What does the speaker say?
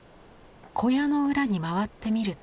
小屋の裏に回ってみると。